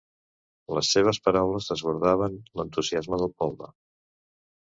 Les seves paraules desbordaven l'entusiasme del poble.